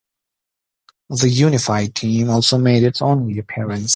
The Unified Team also made its only appearance.